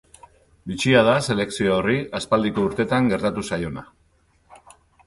Bitxia da selekzio horri aspaldiko urteetan gertatu zaiona.